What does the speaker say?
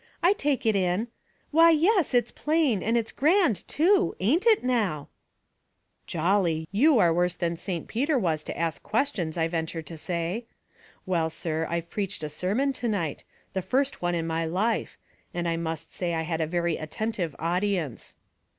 I take it in. Why, yes — it's plain; and it's grand too. Ain't it now ?"" Jolly ! you are worse than St. Peter was to ask questions, I venture to say. Well, sir, I've preached a sermon to night — the first one in my life — and I must say I had a very attentive audie/ice."